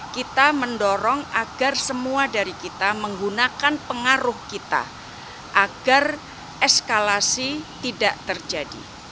kita mendorong agar semua dari kita menggunakan pengaruh kita agar eskalasi tidak terjadi